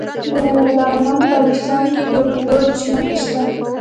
د لغمان په الیشنګ کې د بیروج نښې شته.